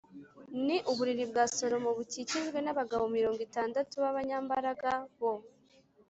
ni uburiri bwa Salomo Bukikijwe n abagabo mirongo itandatu b abanyambaraga bo